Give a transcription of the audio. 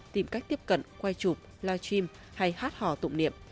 tìm cách tiếp cận quay chụp livestream hay hát hò tụng niệm